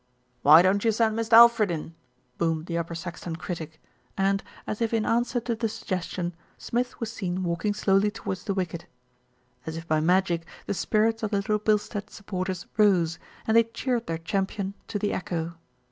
"Wny don't you send Mist' Alfred in?" boomed the Upper Saxton critic and, as if in answer to the sug gestion, Smith was seen walking slowly towards the wicket. As if by magic the spirits of the Little Bil stead supporters rose, and they cheered their champion to the echo.